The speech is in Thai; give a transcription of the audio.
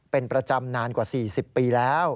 เป็นประจำนานกว่า๔๐ปีแล้ว